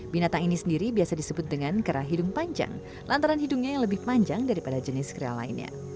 binatang ini sendiri biasa disebut dengan kera hidung panjang lantaran hidungnya yang lebih panjang daripada jenis kera lainnya